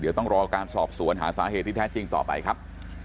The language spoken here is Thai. เดี๋ยวต้องรอการสอบสวนหาสาเหตุที่แท้จริงต่อไปครับ